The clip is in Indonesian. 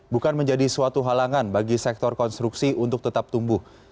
bukan menjadi suatu halangan bagi sektor konstruksi untuk tetap tumbuh